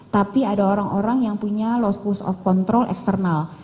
tapi ada orang orang yang punya locus of control external